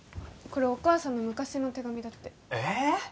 これお母さんの昔の手紙だってええっ？